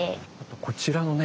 こちらのね